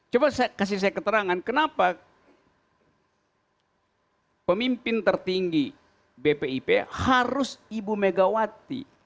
coba kasih saya keterangan kenapa pemimpin tertinggi bpip harus ibu megawati